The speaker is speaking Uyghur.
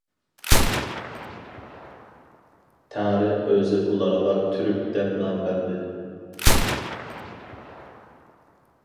تەڭرى ئۆزى ئۇلارغا« تۈرك» دەپ نام بەردى.